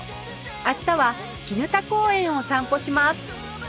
明日は砧公園を散歩します